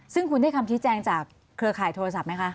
ซึ่งคุณได้คำชี้แจงจากเครือข่ายโทรศัพท์ไหมคะ